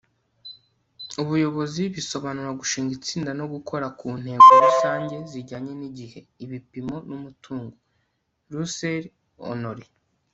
ubuyobozi bisobanura gushinga itsinda no gukora ku ntego rusange zijyanye n'igihe, ibipimo, n'umutungo. - russel honore